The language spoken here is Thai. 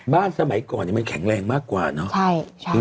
สมัยก่อนมันแข็งแรงมากกว่าเนอะ